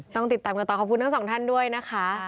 ต้องติดตามกันต่อขอบคุณทั้งสองท่านด้วยนะคะ